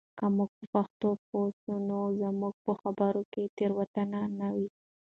که موږ په پښتو پوه سو نو زموږ په خبرو کې تېروتنه نه وي.